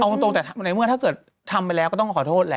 เอาตรงแต่ในเมื่อถ้าเกิดทำไปแล้วก็ต้องขอโทษแหละ